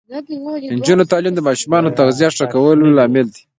د نجونو تعلیم د ماشومانو تغذیه ښه کولو لامل دی.